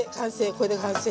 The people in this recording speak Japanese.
これで完成。